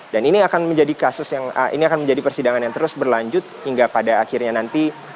dan ini akan menjadi persidangan yang terus berlanjut hingga pada akhirnya nanti